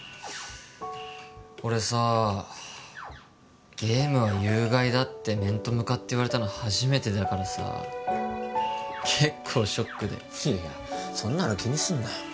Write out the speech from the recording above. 俺さあゲームは有害だって面と向かって言われたの初めてだからさ結構ショックでいやいやそんなの気にすんなよ